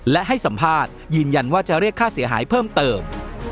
และให้สัมภาษณ์ยืนยันว่าจะเรียกค่าเสียหายเพิ่มเติม